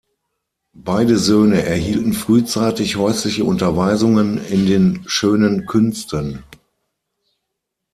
Beide Söhne erhielten frühzeitig häusliche Unterweisungen in den Schönen Künsten.